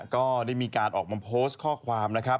ก็ได้มีการออกมาโพสต์ข้อความนะครับ